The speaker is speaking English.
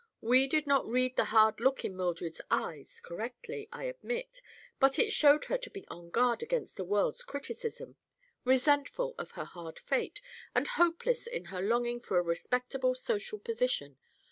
We did not read the hard look in Mildred's eyes correctly, I admit, but it showed her to be on guard against the world's criticism, resentful of her hard fate and hopeless in her longing for a respectable social position.